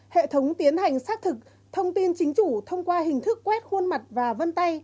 hệ thống tiến hành xác thực thông tin chính chủ thông qua hình thức quét khuôn mặt và vân tay